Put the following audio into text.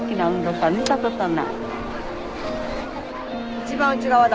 一番内側だ。